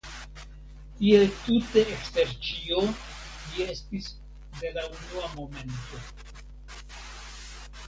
Tiel tute ekster ĉio mi estis de la unua momento.